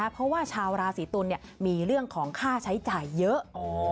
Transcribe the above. เพราะว่าชาวราศีตุลมีเรื่องของค่าใช้จ่ายเยอะ